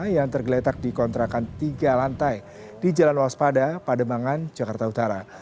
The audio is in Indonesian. yang tergeletak di kontrakan tiga lantai di jalan waspada pademangan jakarta utara